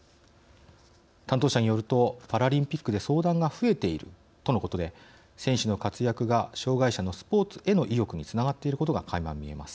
担当者によるとパラリンピックで相談が増えているとのことで選手の活躍が障害者のスポーツへの意欲につながっていることがかいま見えます。